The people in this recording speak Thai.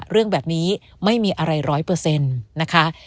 เรื่องแบบนี้ไม่มีอะไรร้อยเปอร์เซ็นต์นะคะ